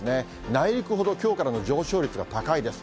内陸ほどきょうからの上昇率が高いです。